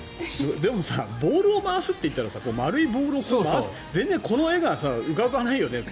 でもボウルを回すといったら丸いボールを想像するけどこの絵が浮かばないよね。